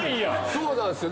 そうなんですよ。